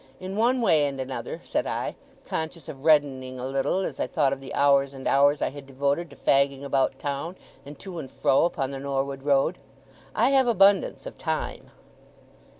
In one way and another,' said I, conscious of reddening a little as I thought of the hours and hours I had devoted to fagging about town, and to and fro upon the Norwood Road, 'I have abundance of time.